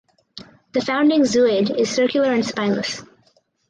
The founding zooid is circular and spineless.